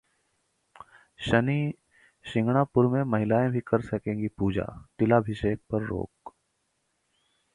शनि शिंगणापुर में महिलाएं भी कर सकेंगी पूजा, तिलाभिषेक पर रोक